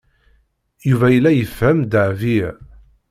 Yuba yella yefhem Dahbiya.